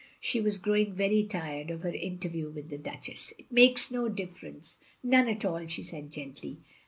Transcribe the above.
She was grow ing very tirdd of her interview with the Duchess. "It makes no difference — ^none at all," she said gently.